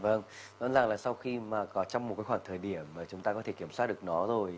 vâng rõ ràng là sau khi mà có trong một cái khoảng thời điểm mà chúng ta có thể kiểm soát được nó rồi